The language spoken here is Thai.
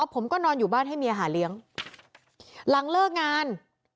ผมก็นอนอยู่บ้านให้เมียหาเลี้ยงหลังเลิกงาน